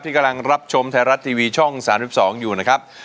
กำลังรับชมไทยรัฐทีวีช่อง๓๒อยู่นะครับ